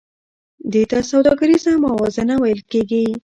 دې ته سوداګریزه موازنه ویل کېږي